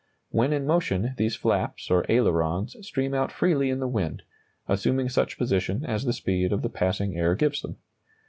When in motion these flaps or ailerons stream out freely in the wind, assuming such position as the speed of the passing air gives them.